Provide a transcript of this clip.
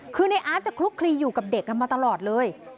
คือในอาร์ตจะคลุกคลีอยู่กับเด็กกันมาตลอดเลย